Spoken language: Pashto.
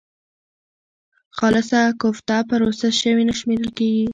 خالصه کوفته پروسس شوې نه شمېرل کېږي.